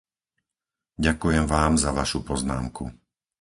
Ďakujem Vám za vašu poznámku.